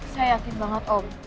saya yakin banget om